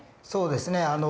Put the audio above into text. そうですね